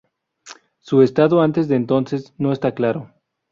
Su estado antes de entonces no está claro.